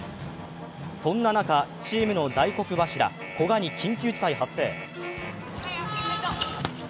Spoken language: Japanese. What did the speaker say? そんな中、チームの大黒柱・古賀に緊急事態発生。